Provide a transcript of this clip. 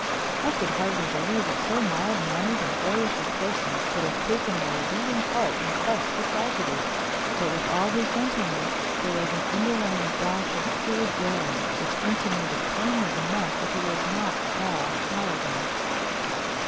I could hardly believe that so mild mannered and boyish a person could have taken the leading part in such a tragedy. But with all his gentleness there was an underlying dash of cool daring which intimated plainly enough that he was not all mildness.